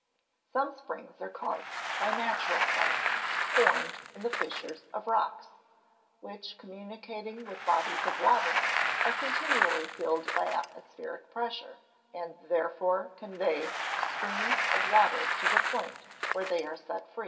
_ Some springs are caused by natural syphons formed in the fissures of rocks, which, communicating with bodies of water, are continually filled by atmospheric pressure, and therefore convey streams of water to the point where they are set free.